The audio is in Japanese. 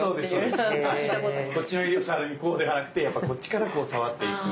こっちの襟を触るにはこうではなくてやっぱりこっちからこう触っていく。